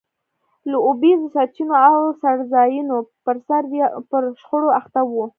د اوبیزو سرچینو او څړځایونو پرسر پر شخړو اخته وو.